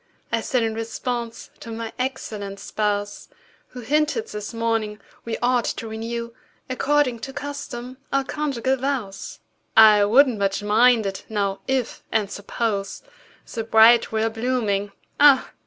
I said in response to my excellent spouse, Who hinted, this morning, we ought to renew According to custom, our conjugal vows. "I wouldn't much mind it, now—if—and suppose— The bride were a blooming—Ah!